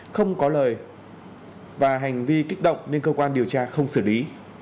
không có lời và hành vi kích động nên cơ quan điều tra không xử lý